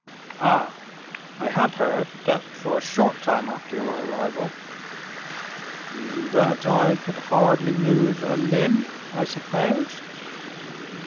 "Ah! I had heard that, for a short time after your arrival " "That I could hardly move a limb, I suppose?"